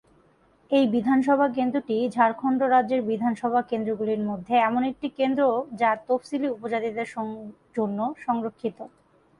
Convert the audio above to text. এই বিধানসভা কেন্দ্রটি ঝাড়খণ্ড রাজ্যের বিধানসভা কেন্দ্রগুলির মধ্যে এমন একটি কেন্দ্রটি যা তফসিলী উপজাতিদের জন্য সংরক্ষিত।